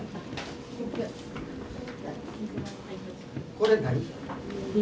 これ何？